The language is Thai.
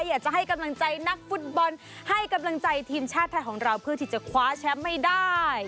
อยากจะให้กำลังใจนักฟุตบอลให้กำลังใจทีมชาติไทยของเราเพื่อที่จะคว้าแชมป์ให้ได้